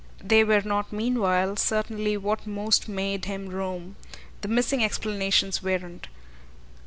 They were not meanwhile certainly what most made him roam the missing explanations weren't.